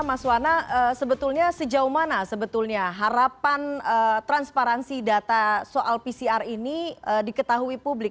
mas wana sebetulnya sejauh mana sebetulnya harapan transparansi data soal pcr ini diketahui publik